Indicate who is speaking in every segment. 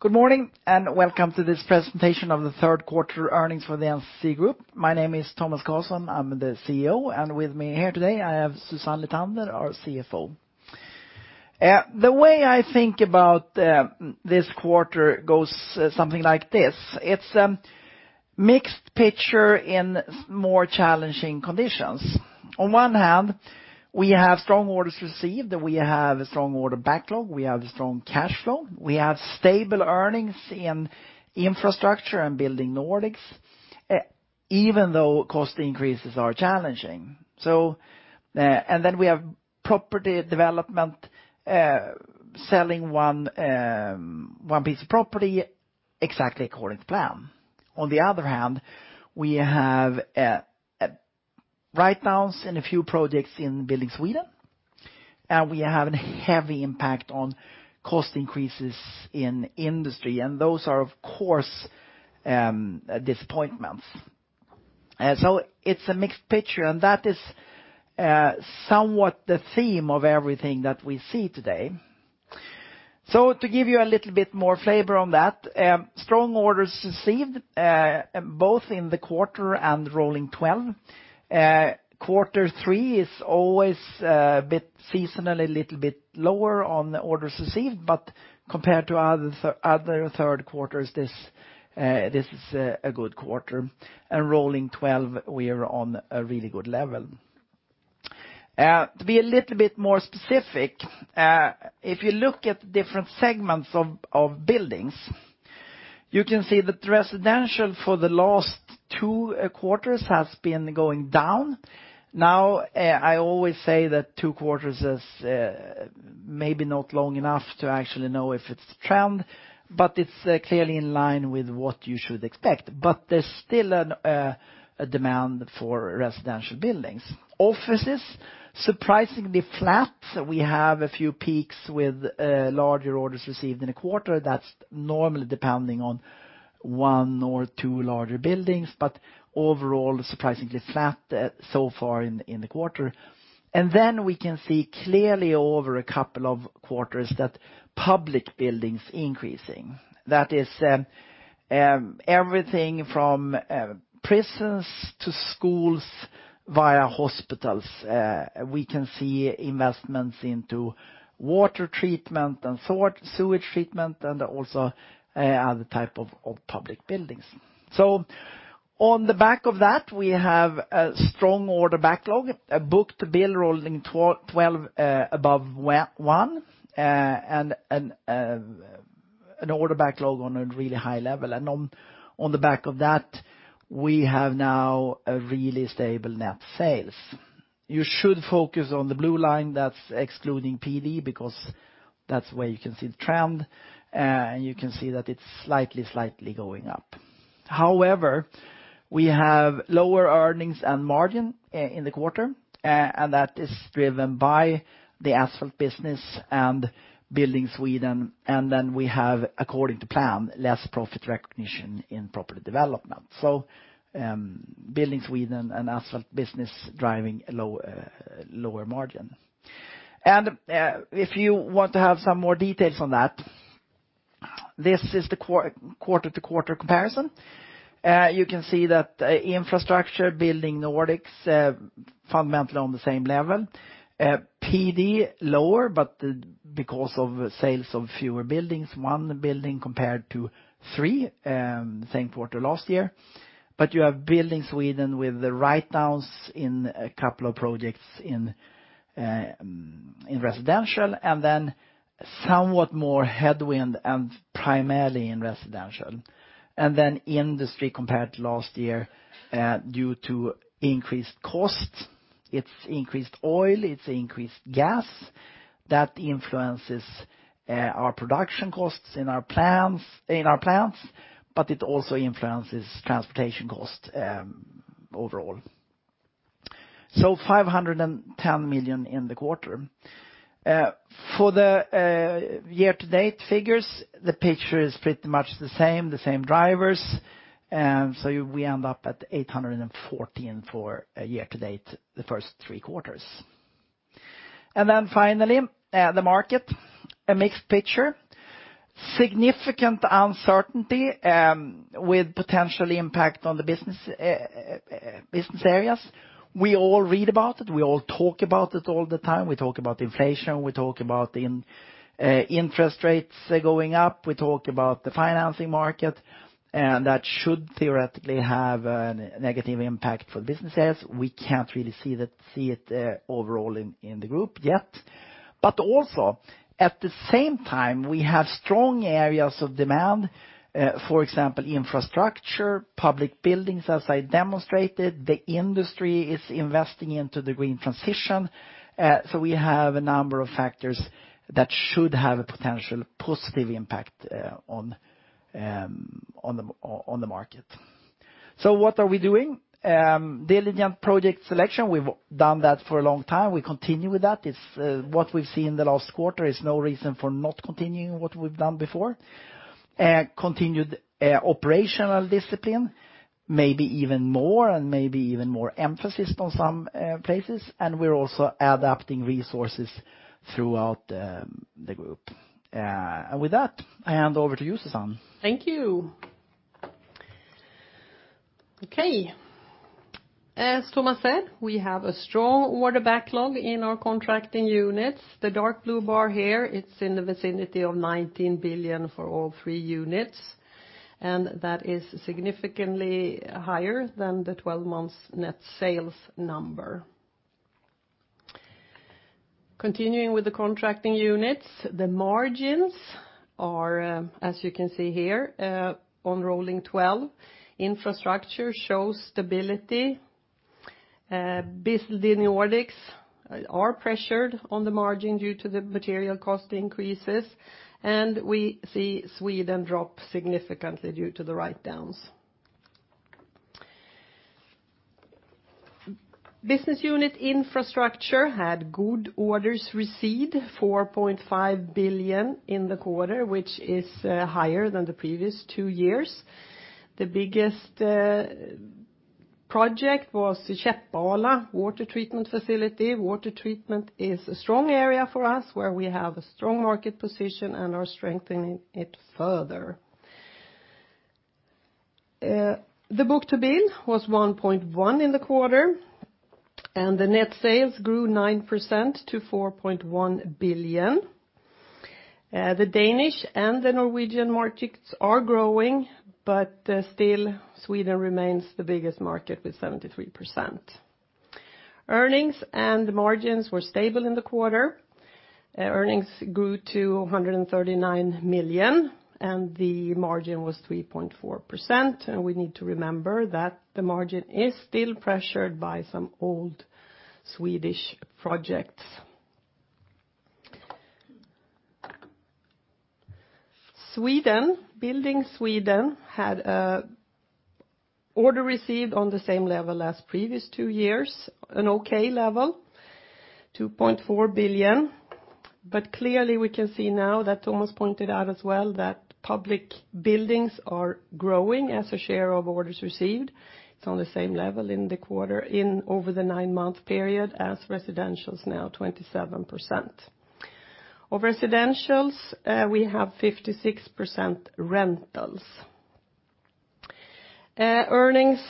Speaker 1: Good morning, and welcome to this presentation of the third quarter earnings for NCC. My name is Tomas Carlsson, I'm the CEO, and with me here today, I have Susanne Lithander, our CFO. The way I think about this quarter goes something like this. It's a mixed picture in more challenging conditions. On one hand, we have strong orders received, we have a strong order backlog, we have strong cash flow. We have stable earnings in Infrastructure and Building Nordics, even though cost increases are challenging. And then we have Property Development, selling one piece of property exactly according to plan. On the other hand, we have write-downs in a few projects in Building Sweden, and we have a heavy impact on cost increases in Industry, and those are of course disappointments. It's a mixed picture, and that is somewhat the theme of everything that we see today. To give you a little bit more flavor on that, strong orders received both in the quarter and rolling twelve. Quarter three is always a bit seasonally a little bit lower on the orders received, but compared to other third quarters, this is a good quarter. Rolling twelve, we are on a really good level. To be a little bit more specific, if you look at different segments of buildings, you can see that residential for the last two quarters has been going down. Now, I always say that two quarters is maybe not long enough to actually know if it's a trend, but it's clearly in line with what you should expect. There's still a demand for residential buildings. Offices, surprisingly flat. We have a few peaks with larger orders received in a quarter that's normally depending on one or two larger buildings, but overall, surprisingly flat so far in the quarter. We can see clearly over a couple of quarters that public buildings increasing. That is everything from prisons to schools via hospitals. We can see investments into water treatment and sewage treatment, and also other type of public buildings. On the back of that, we have a strong order backlog, a book-to-bill rolling twelve above one, and an order backlog on a really high level. On the back of that, we have now a really stable net sales. You should focus on the blue line that's excluding PD, because that's where you can see the trend, and you can see that it's slightly going up. However, we have lower earnings and margin in the quarter, and that is driven by the Asphalt business and Building Sweden, and then we have, according to plan, less profit recognition in property development. Building Sweden and Asphalt business driving a lower margin. If you want to have some more details on that, this is the quarter-to-quarter comparison. You can see that Infrastructure, Building Nordics, fundamentally on the same level. PD lower, but because of sales of fewer buildings, one building compared to three, same quarter last year. You have Building Sweden with the write-downs in a couple of projects in residential, and then somewhat more headwind and primarily in residential. Industry compared to last year due to increased costs. It's increased oil, it's increased gas. That influences our production costs in our plants, but it also influences transportation costs overall. 510 million in the quarter. For the year-to-date figures, the picture is pretty much the same, the same drivers. We end up at 814 million for year-to-date, the first three quarters. The market, a mixed picture. Significant uncertainty with potential impact on the business areas. We all read about it. We all talk about it all the time. We talk about inflation, we talk about interest rates going up. We talk about the financing market, and that should theoretically have a negative impact for businesses. We can't really see that overall in the group yet. Also, at the same time, we have strong areas of demand, for example, infrastructure, public buildings, as I demonstrated. The industry is investing into the green transition. We have a number of factors that should have a potential positive impact on the market. What are we doing? Diligent project selection. We've done that for a long time. We continue with that. It's what we've seen the last quarter is no reason for not continuing what we've done before. Continued operational discipline, maybe even more emphasis on some places, and we're also adapting resources throughout the group. With that, I hand over to you, Susanne.
Speaker 2: Thank you. As Thomas said, we have a strong order backlog in our contracting units. The dark blue bar here, it's in the vicinity of 19 billion for all three units, and that is significantly higher than the 12 months net sales number. Continuing with the contracting units, the margins are, as you can see here, on rolling twelve, infrastructure shows stability. Building Nordics are pressured on the margin due to the material cost increases, and we see Building Sweden drop significantly due to the writedowns. Business unit infrastructure had good orders received, 4.5 billion in the quarter, which is higher than the previous two years. The biggest project was the Käppala water treatment facility. Water treatment is a strong area for us where we have a strong market position and are strengthening it further. The book-to-bill was 1.1 in the quarter, and net sales grew 9% to 4.1 billion. The Danish and Norwegian markets are growing, but still Sweden remains the biggest market with 73%. Earnings and margins were stable in the quarter. Earnings grew to 139 million, and the margin was 3.4%. We need to remember that the margin is still pressured by some old Swedish projects. Sweden, Building Sweden, had an order received on the same level as previous two years, an okay level, 2.4 billion. Clearly, we can see now that Tomas pointed out as well that public buildings are growing as a share of orders received. It's on the same level in the quarter and over the nine-month period as residential is now 27%. Of residentials, we have 56% rentals. Earnings,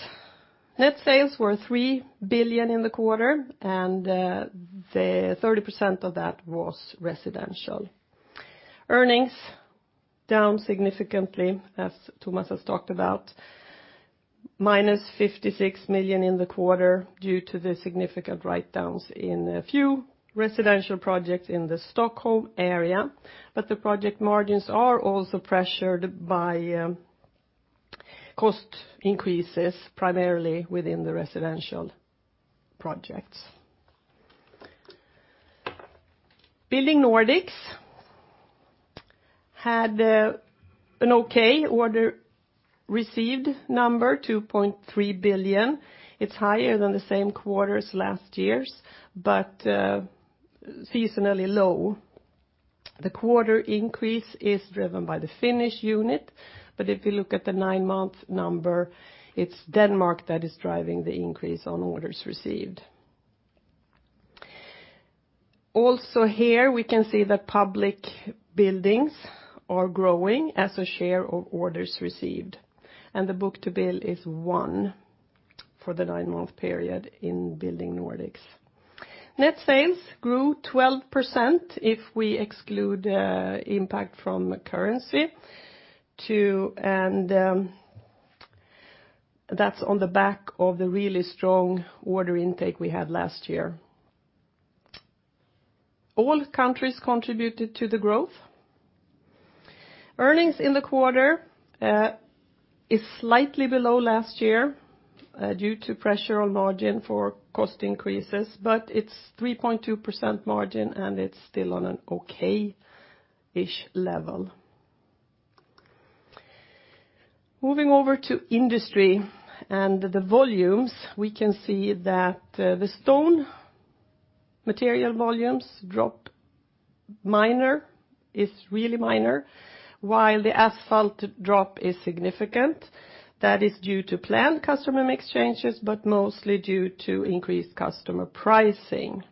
Speaker 2: net sales were 3 billion in the quarter, and 30% of that was residential. Earnings down significantly, as Tomas has talked about, -56 million in the quarter due to the significant writedowns in a few residential projects in the Stockholm area. The project margins are also pressured by cost increases, primarily within the residential projects. Building Nordics had an okay order received number, 2.3 billion. It's higher than the same quarter as last year's, but seasonally low. The quarter increase is driven by the Finnish unit. If you look at the nine-month number, it's Denmark that is driving the increase on orders received. Also here, we can see that public buildings are growing as a share of orders received. The book-to-bill is one for the nine-month period in Building Nordics. Net sales grew 12% if we exclude impact from currency and that's on the back of the really strong order intake we had last year. All countries contributed to the growth. Earnings in the quarter is slightly below last year due to pressure on margin for cost increases, but it's 3.2% margin, and it's still on an okay-ish level. Moving over to industry and the volumes, we can see that the stone material volumes drop minor. It's really minor. While the asphalt drop is significant, that is due to planned customer mix changes but mostly due to increased customer pricing.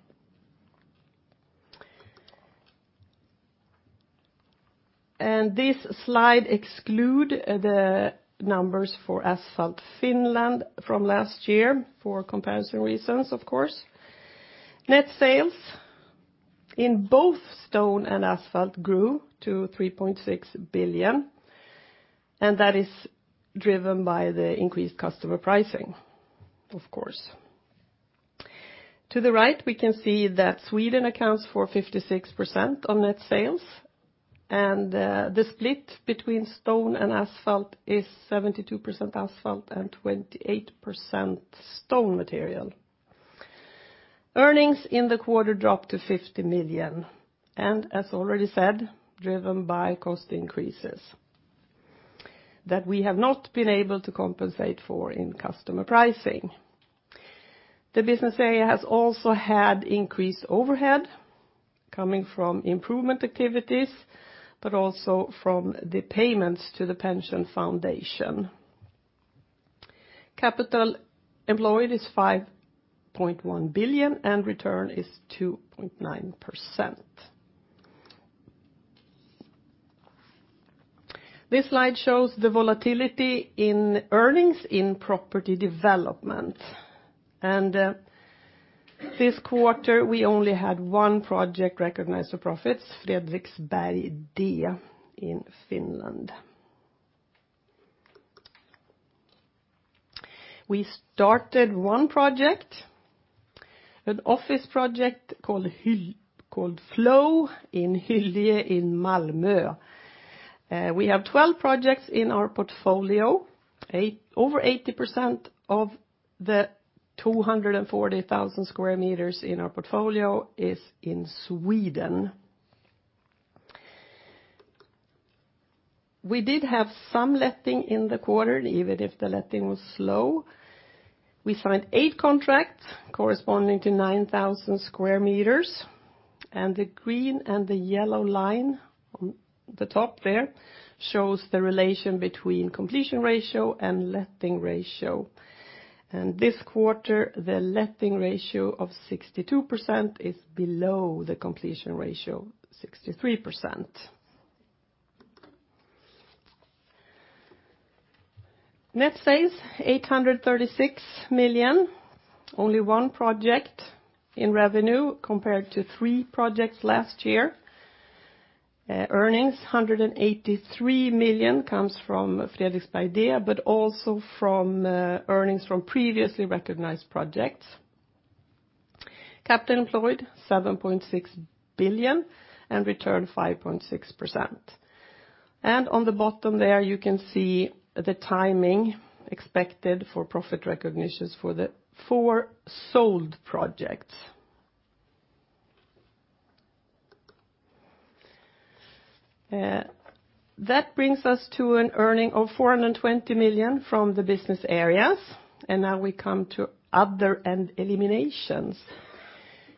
Speaker 2: This slide exclude the numbers for Asphalt Finland from last year for comparison reasons, of course. Net sales in both stone and asphalt grew to 3.6 billion, and that is driven by the increased customer pricing, of course. To the right, we can see that Sweden accounts for 56% of net sales, and the split between stone and asphalt is 72% asphalt and 28% stone material. Earnings in the quarter dropped to 50 million and, as already said, driven by cost increases that we have not been able to compensate for in customer pricing. The business area has also had increased overhead coming from improvement activities, but also from the payments to the pension foundation. Capital employed is 5.1 billion and return is 2.9%. This slide shows the volatility in earnings in property development. This quarter, we only had one project recognized for profits, Fredriksberg D in Finland. We started one project, an office project called Flow in Hyllie in Malmö. We have 12 projects in our portfolio. Over 80% of the 240,000 sq meters in our portfolio is in Sweden. We did have some letting in the quarter, even if the letting was slow. We signed eight contracts corresponding to 9,000 sq meters, and the green and the yellow line on the top there shows the relation between completion ratio and letting ratio. This quarter, the letting ratio of 62% is below the completion ratio, 63%. Net sales 836 million. Only one project in revenue compared to three projects last year. Earnings, 183 million comes from Fredriksberg D, but also from earnings from previously recognized projects. Capital employed 7.6 billion and return 5.6%. On the bottom there, you can see the timing expected for profit recognitions for the four sold projects. That brings us to earnings of 420 million from the business areas, and now we come to other and eliminations.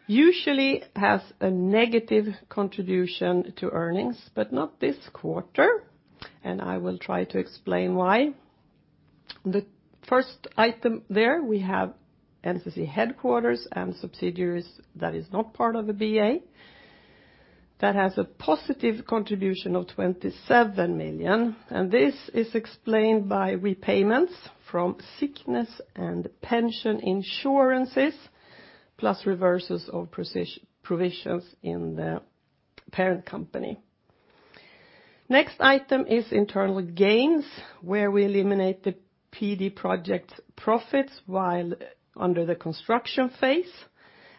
Speaker 2: Usually has a negative contribution to earnings, but not this quarter, and I will try to explain why. The first item there, we have NCC headquarters and subsidiaries that is not part of the BA. That has a positive contribution of 27 million, and this is explained by repayments from sickness and pension insurances, plus reversals of positive provisions in the parent company. Next item is internal gains, where we eliminate the PD project profits while under the construction phase,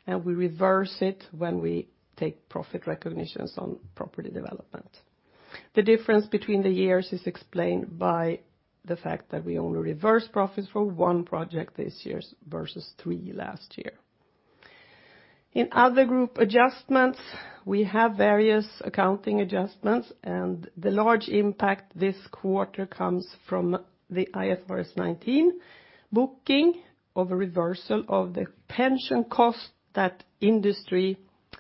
Speaker 2: and we reverse it when we take profit recognitions on property development. The difference between the years is explained by the fact that we only reverse profits for one project this year versus three last year. In other group adjustments, we have various accounting adjustments, and the large impact this quarter comes from the IAS 19 booking of a reversal of the pension cost that industry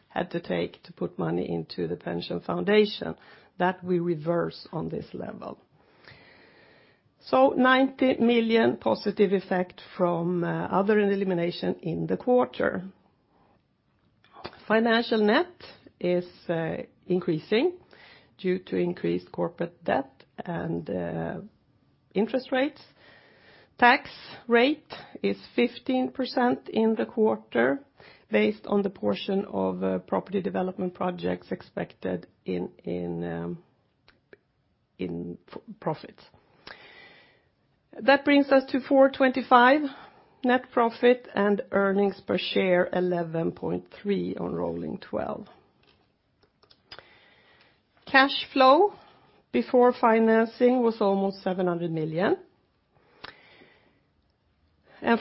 Speaker 2: had to take to put money into the pension foundation that we reverse on this level. Ninety million positive effect from other and elimination in the quarter. Financial net is increasing due to increased corporate debt and interest rates. Tax rate is 15% in the quarter based on the portion of property development projects expected in profits. That brings us to 425 million net profit and earnings per share 11.3 on rolling twelve. Cash flow before financing was almost 700 million.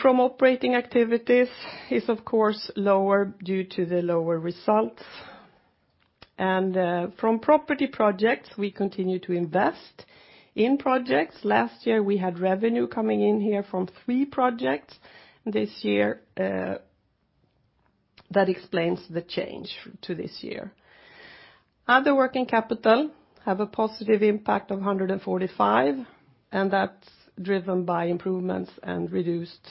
Speaker 2: From operating activities is of course lower due to the lower results. From property projects, we continue to invest in projects. Last year, we had revenue coming in here from three projects. This year, that explains the change to this year. Other working capital have a positive impact of 145, and that's driven by improvements and reduced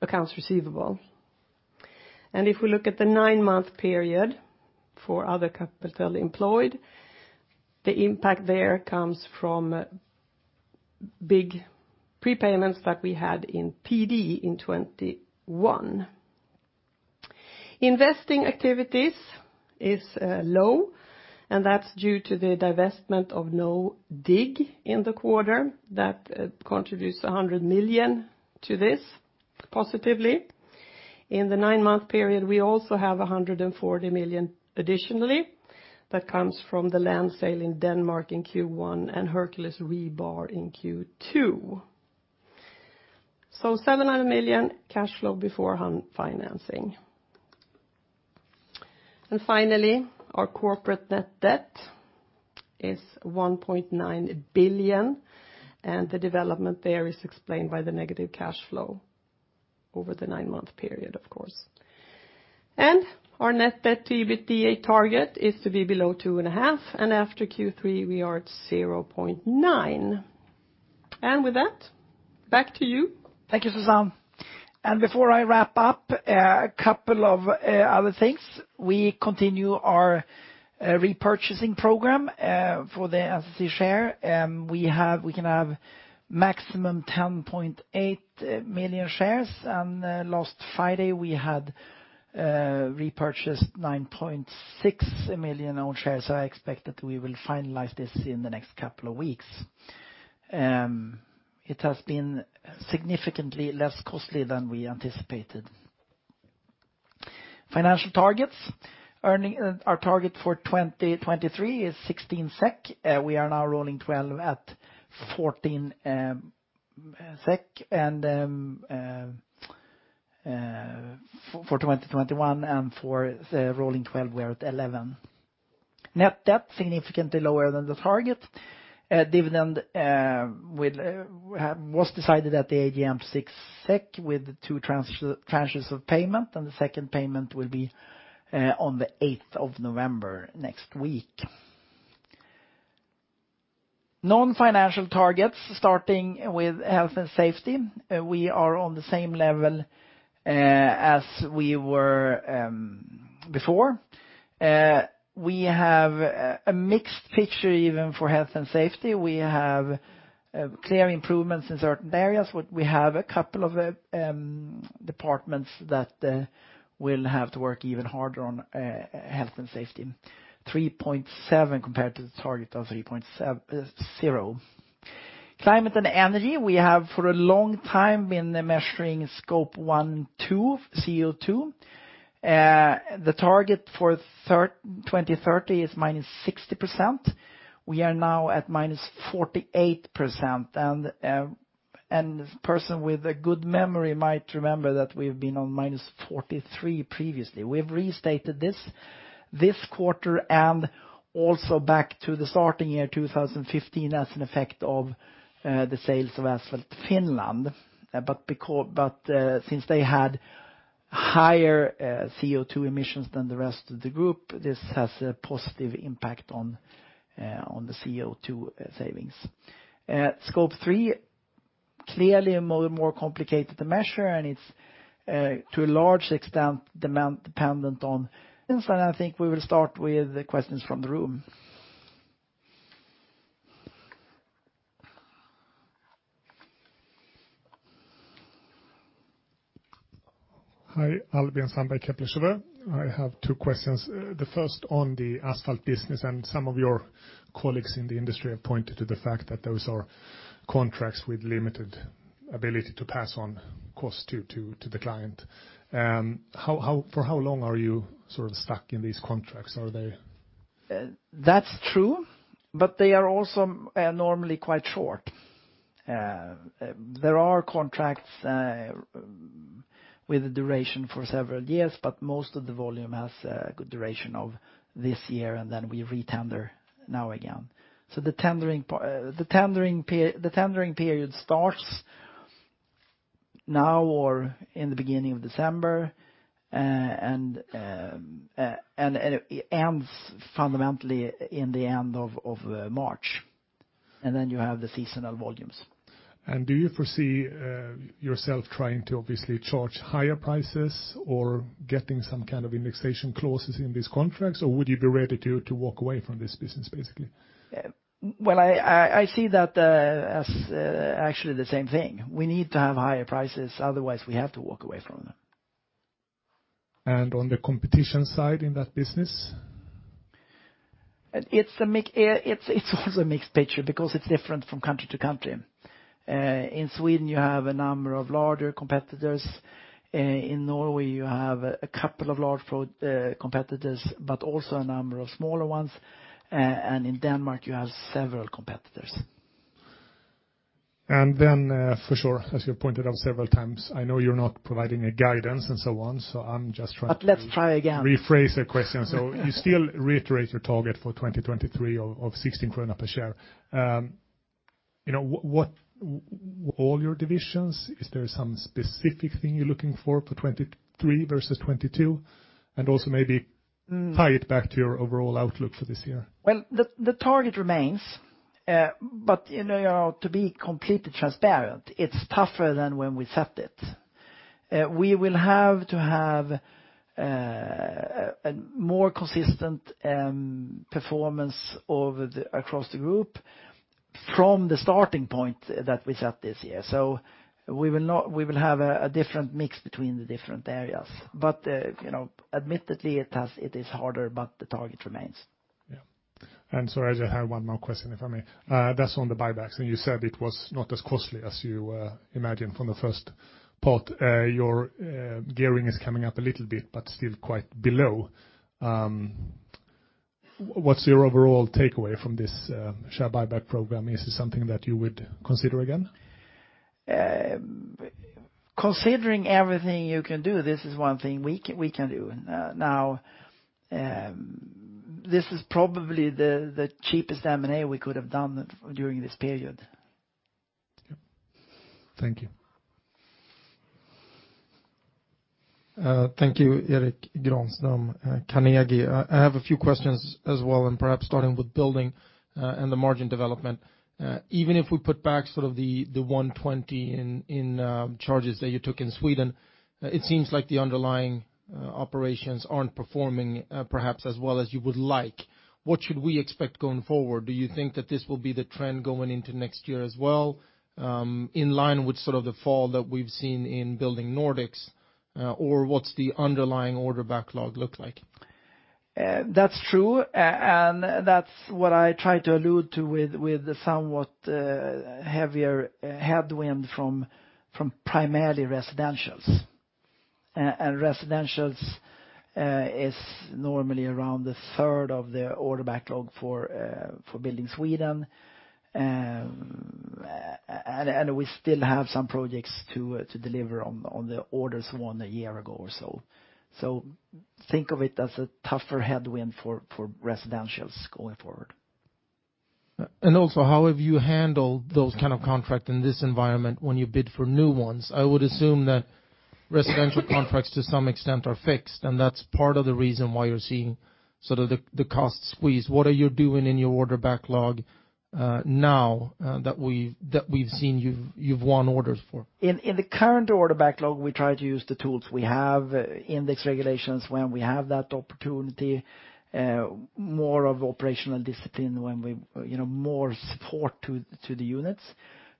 Speaker 2: accounts receivable. If we look at the nine-month period for other capital employed, the impact there comes from big prepayments that we had in PD in 2021. Investing activities is low, and that's due to the divestment of NoDig in the quarter that contributes 100 million to this positively. In the nine-month period, we also have 140 million additionally that comes from the land sale in Denmark in Q1 and Hercules Armering in Q2. 700 million cash flow before financing. Finally, our corporate net debt is 1.9 billion, and the development there is explained by the negative cash flow over the nine-month period, of course. Our net debt to EBITDA target is to be below 2.5, and after Q3 we are at 0.9. With that, back to you.
Speaker 1: Thank you, Susanne. Before I wrap up, a couple of other things. We continue our repurchasing program for the NCC share. We can have maximum 10.8 million shares, and last Friday we had repurchased 9.6 million own shares. I expect that we will finalize this in the next couple of weeks. It has been significantly less costly than we anticipated. Financial targets, our target for 2023 is 16 SEK, we are now rolling twelve at 14 SEK, and for 2021, and for the rolling twelve we are at 11. Net debt, significantly lower than the target. Dividend was decided at the AGM 6 SEK with two tranches of payment, and the second payment will be on the 8th of November next week. Non-financial targets, starting with health and safety, we are on the same level as we were before. We have a mixed picture even for health and safety. We have clear improvements in certain areas. We have a couple of departments that will have to work even harder on health and safety, 3.7 compared to the target of 3.0. Climate and energy, we have for a long time been measuring Scope one, two CO2. The target for 2030 is -60%. We are now at -48%. A person with a good memory might remember that we've been on -43% previously. We've restated this quarter and also back to the starting year 2015 as an effect of the sales of Asphalt Finland. Since they had higher CO2 emissions than the rest of the group, this has a positive impact on the CO2 savings. Scope three, clearly more complicated to measure, and it's to a large extent dependent on. I think we will start with the questions from the room.
Speaker 3: Hi, Albin Sandberg, Kepler Cheuvreux. I have two questions, the first on the asphalt business, and some of your colleagues in the industry have pointed to the fact that those are contracts with limited ability to pass on costs to the client. For how long are you sort of stuck in these contracts? Are they?
Speaker 1: That's true, but they are also normally quite short. There are contracts with a duration for several years, but most of the volume has a good duration of this year, and then we retender now again. The tendering period starts now or in the beginning of December, and it ends fundamentally in the end of March. You have the seasonal volumes.
Speaker 3: Do you foresee yourself trying to obviously charge higher prices or getting some kind of indexation clauses in these contracts? Would you be ready to walk away from this business, basically?
Speaker 1: Well, I see that as actually the same thing. We need to have higher prices, otherwise we have to walk away from them.
Speaker 3: On the competition side in that business?
Speaker 1: It's a mix, it's also a mixed picture because it's different from country to country. In Sweden, you have a number of larger competitors. In Norway, you have a couple of large road competitors, but also a number of smaller ones. In Denmark, you have several competitors.
Speaker 3: For sure, as you pointed out several times, I know you're not providing a guidance and so on, so I'm just trying to.
Speaker 1: Let's try again.
Speaker 3: Rephrase the question. You still reiterate your target for 2023 of 16 krona per share. You know, what all your divisions, is there some specific thing you're looking for for 2023 versus 2022? Maybe tie it back to your overall outlook for this year.
Speaker 1: Well, the target remains. You know, to be completely transparent, it's tougher than when we set it. We will have to have a more consistent performance across the group from the starting point that we set this year. We will have a different mix between the different areas. You know, admittedly, it is harder, but the target remains.
Speaker 3: Yeah. Sorry, I just have one more question, if I may. That's on the buybacks, and you said it was not as costly as you imagined from the first part. Your gearing is coming up a little bit, but still quite below. What's your overall takeaway from this, share buyback program? Is it something that you would consider again?
Speaker 1: Considering everything you can do, this is one thing we can do. Now, this is probably the cheapest M&A we could have done during this period.
Speaker 3: Thank you.
Speaker 4: Thank you, Erik Granström, Carnegie. I have a few questions as well, and perhaps starting with Building, and the margin development. Even if we put back sort of the 120 in charges that you took in Sweden, it seems like the underlying operations aren't performing, perhaps as well as you would like. What should we expect going forward? Do you think that this will be the trend going into next year as well, in line with sort of the fall that we've seen in Building Nordics? Or what's the underlying order backlog look like?
Speaker 1: That's true. That's what I tried to allude to with the somewhat heavier headwind from primarily residential. Residential is normally around a third of the order backlog for Building Sweden. We still have some projects to deliver on the orders won a year ago or so. Think of it as a tougher headwind for residential going forward.
Speaker 4: How have you handled those kind of contracts in this environment when you bid for new ones? I would assume that residential contracts to some extent are fixed, and that's part of the reason why you're seeing sort of the cost squeeze. What are you doing in your order backlog now that we've seen you've won orders for?
Speaker 1: In the current order backlog, we try to use the tools we have, index regulations when we have that opportunity, more of operational discipline when we, you know, more support to the units.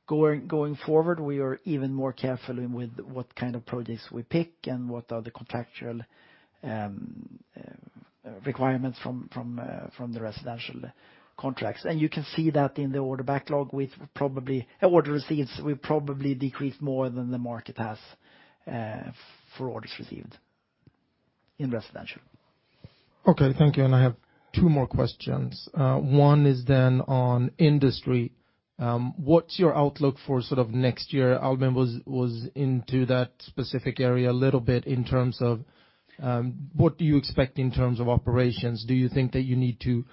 Speaker 1: Going forward, we are even more careful with what kind of projects we pick and what are the contractual requirements from the residential contracts. You can see that in the order backlog with probably order receipts will probably decrease more than the market has for orders received in residential.
Speaker 4: Okay, thank you. I have two more questions. One is on industry. What's your outlook for sort of next year? Albin was into that specific area a little bit in terms of what do you expect in terms of operations? Do you think that you need to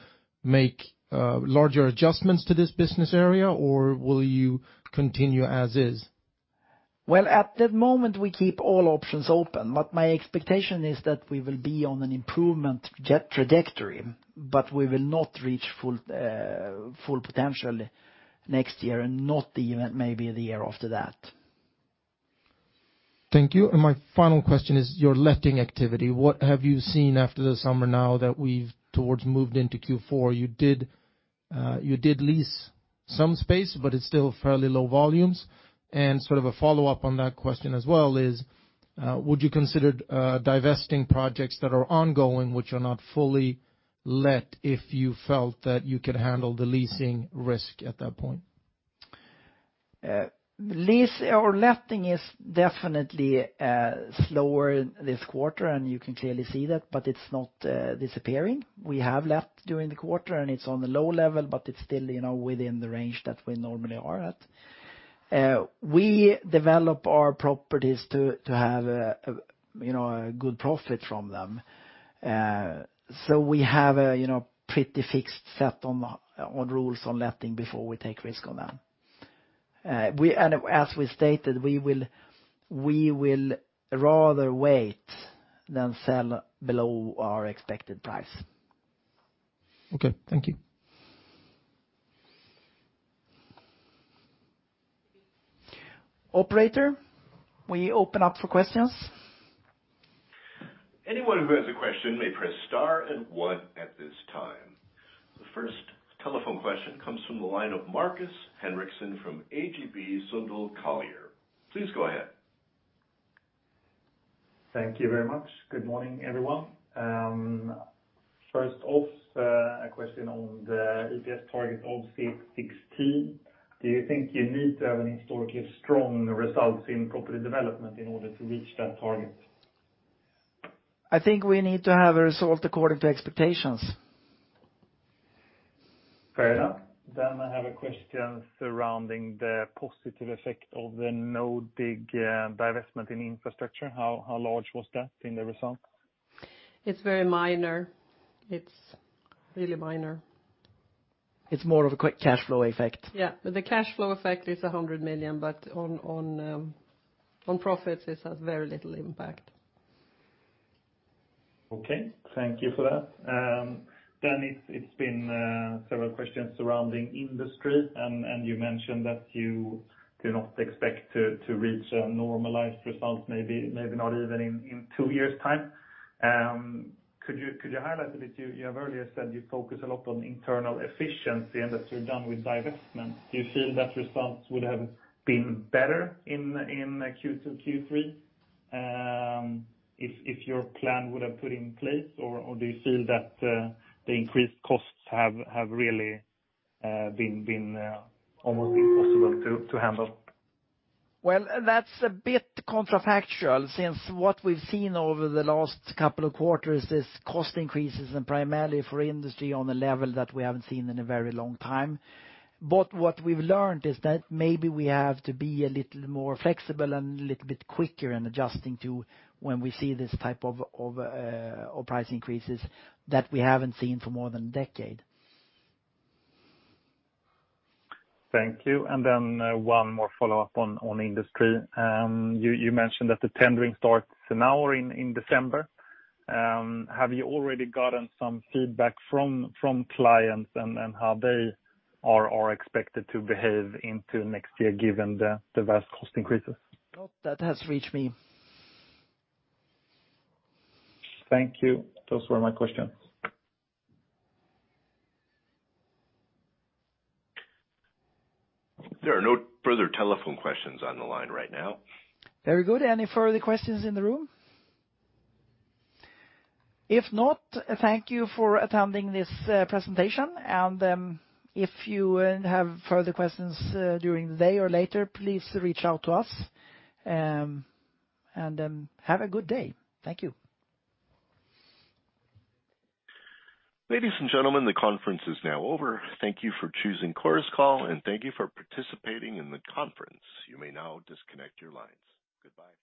Speaker 4: make larger adjustments to this business area, or will you continue as is?
Speaker 1: Well, at the moment, we keep all options open, but my expectation is that we will be on an improvement trajectory, but we will not reach full potential next year and not even maybe the year after that.
Speaker 4: Thank you. My final question is your letting activity. What have you seen after the summer now that we've now moved into Q4? You did lease some space, but it's still fairly low volumes. Sort of a follow-up on that question as well is would you consider divesting projects that are ongoing, which are not fully let if you felt that you could handle the leasing risk at that point?
Speaker 1: Lease or letting is definitely slower this quarter, and you can clearly see that, but it's not disappearing. We have let during the quarter, and it's on the low level, but it's still, you know, within the range that we normally are at. We develop our properties to have, you know, a good profit from them. We have a, you know, pretty fixed set on rules on letting before we take risk on them. As we stated, we will rather wait than sell below our expected price.
Speaker 4: Okay. Thank you.
Speaker 1: Operator, we open up for questions.
Speaker 5: Anyone who has a question may press star and one at this time. The first telephone question comes from the line of Markus Henriksson from ABG Sundal Collier. Please go ahead.
Speaker 6: Thank you very much. Good morning, everyone. First off, a question on the EPS target of 6.16. Do you think you need to have a historically strong results in property development in order to reach that target?
Speaker 1: I think we need to have a result according to expectations.
Speaker 6: Fair enough. I have a question surrounding the positive effect of the NoDig divestment in infrastructure. How large was that in the results?
Speaker 2: It's very minor. It's really minor.
Speaker 1: It's more of a quick cash flow effect.
Speaker 2: The cash flow effect is 100 million, but on profits, it has very little impact.
Speaker 6: Okay. Thank you for that. It's been several questions surrounding industry, and you mentioned that you do not expect to reach a normalized result, maybe not even in two years' time. Could you highlight a bit? You have earlier said you focus a lot on internal efficiency and that you're done with divestment. Do you feel that response would have been better in Q2, Q3, if your plan would have put in place? Do you feel that the increased costs have really been almost impossible to handle?
Speaker 1: Well, that's a bit counterfactual since what we've seen over the last couple of quarters is cost increases and primarily for industry on a level that we haven't seen in a very long time. What we've learned is that maybe we have to be a little more flexible and a little bit quicker in adjusting to when we see this type of price increases that we haven't seen for more than a decade.
Speaker 6: Thank you. One more follow-up on industry. You mentioned that the tendering starts now or in December. Have you already gotten some feedback from clients and how they are expected to behave into next year given the vast cost increases?
Speaker 1: Not that has reached me.
Speaker 6: Thank you. Those were my questions.
Speaker 5: There are no further telephone questions on the line right now.
Speaker 1: Very good. Any further questions in the room? If not, thank you for attending this presentation. If you have further questions during the day or later, please reach out to us. Have a good day. Thank you.
Speaker 5: Ladies and gentlemen, the conference is now over. Thank you for choosing Chorus Call, and thank you for participating in the conference. You may now disconnect your lines. Goodbye.